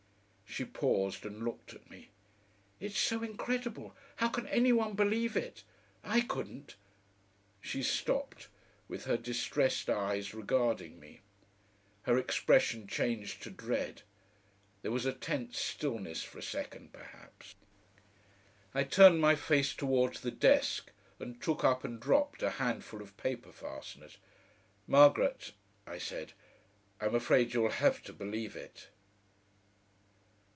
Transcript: She paused and looked at me. "It's so incredible. How can any one believe it? I couldn't." She stopped, with her distressed eyes regarding me. Her expression changed to dread. There was a tense stillness for a second, perhaps. I turned my face towards the desk, and took up and dropped a handful of paper fasteners. "Margaret," I said, "I'm afraid you'll have to believe it."